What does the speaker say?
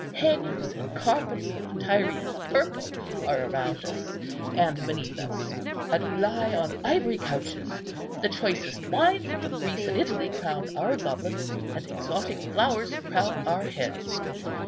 Hangings and carpets of Tyrian purple are around us and beneath us, and we lie on ivory couches. The choicest wines of Greece and Italy crown our goblets, and exotic flowers crown our heads.